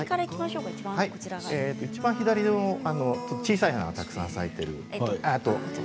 いちばん左の小さい花がたくさん咲いている。